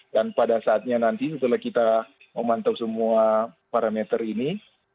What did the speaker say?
dan pada saatnya nanti setelah kita memantau semua parameter ini